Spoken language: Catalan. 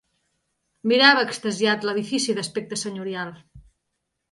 Mirava, extasiat, l'edifici d'aspecte senyorial